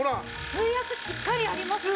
水圧しっかりありますしね。